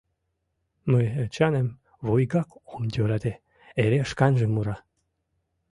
— Мый Эчаным вуйгак ом йӧрате: эре шканже мура...